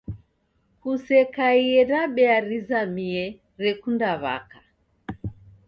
Kusekaie na bea rizamie rekunda w'aka